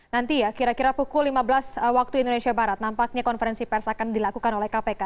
nanti ya kira kira pukul lima belas waktu indonesia barat nampaknya konferensi pers akan dilakukan oleh kpk